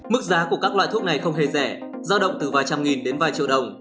mức giá của các loại thuốc này không hề rẻ giao động từ vài trăm nghìn đến vài triệu đồng